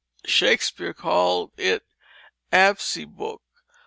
Shakespeare called it absey book.